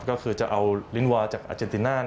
ก็คือจะเอาลิ้นวาจากอาเจนติน่า